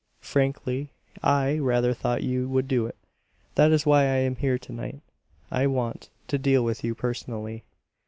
Frankly, I rather thought you would do it; that is why I am here to night. I want to deal with you personally."